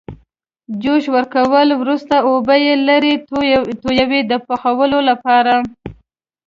جوش ورکولو وروسته اوبه یې لرې تویوي د پخولو لپاره.